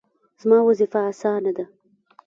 زما وظیفه اسانه ده